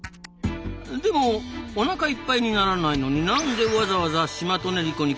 でもおなかいっぱいにならないのになんでわざわざシマトネリコに来るんですかね？